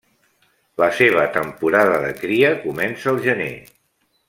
La seva temporada de cria comença al gener.